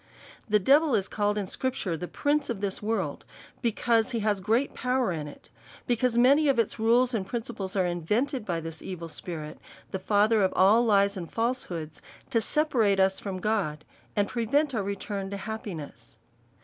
The devil is called in scripture the prince of this world, because he has great power in i*:, because ma ny of its rules and principles are invented by this evil spirit, the father of all lies and falsehood, to se parate us from God, and prevent our return to hap piness.